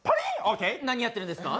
何やってるんですか？